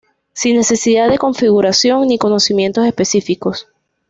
Sin necesidad de configuración ni conocimientos específicos.